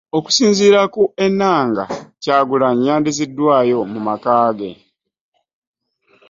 Okusinziira ku Enanga, Kyagulanyi yaddiziddwayo mu maka ge